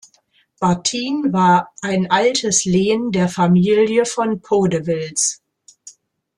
Battin war ein altes Lehen der Familie von Podewils.